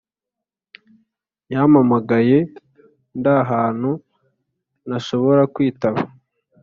yampamagaye ndahantu ntashobora kwitaba